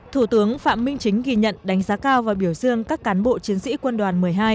thủ tướng phạm minh chính ghi nhận đánh giá cao và biểu dương các cán bộ chiến sĩ quân đoàn một mươi hai